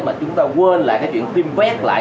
mà chúng ta quên lại cái chuyện tiêm vét lại